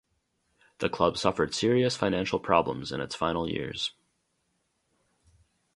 The club suffered serious financial problems in its final years.